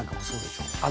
そうですね。